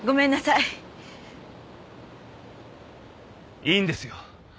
いいんですよ。